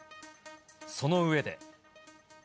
その上で。